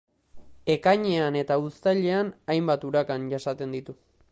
Ekainean eta uztailean hainbat urakan jasaten ditu.